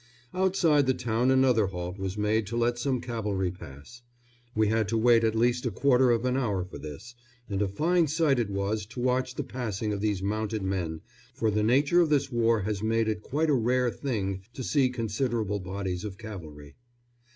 Outside the town another halt was made to let some cavalry pass. We had to wait at least a quarter of an hour for this and a fine sight it was to watch the passing of these mounted men, for the nature of this war has made it quite a rare thing to see considerable bodies of cavalry.